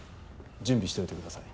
準備しておいてください